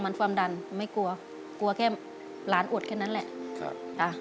มันความดันไม่กลัวกลัวแค่หลานอดแค่นั้นแหละครับจ้ะ